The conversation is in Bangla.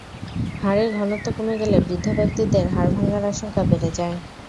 হাড়ের ঘনত্ব কমে গেলে বৃদ্ধ ব্যক্তিদের হাড় ভাঙার আশঙ্কা বেড়ে যায়।